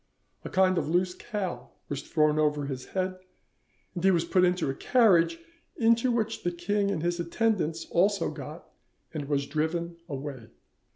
A kind of loose cowl was thrown over his head, and he was put into a carriage, into which the king and his attendants also got, and was driven away."